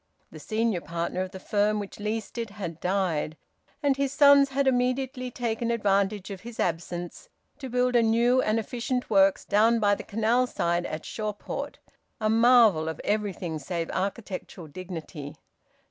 The senior partner of the firm which leased it had died, and his sons had immediately taken advantage of his absence to build a new and efficient works down by the canal side at Shawport a marvel of everything save architectural dignity.